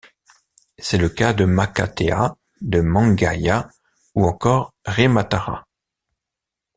C'est le cas de Makatea, de Mangaia ou encore Rimatara.